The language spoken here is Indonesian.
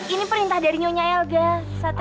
ini perintah dari nyonya elga